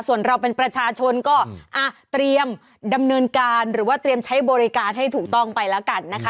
ส่วนเราเป็นประชาชนก็เตรียมดำเนินการหรือว่าเตรียมใช้บริการให้ถูกต้องไปแล้วกันนะคะ